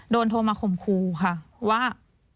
โทรมาข่มครูค่ะว่า